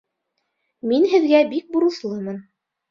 Мин һеҙгә бик бурыслымын.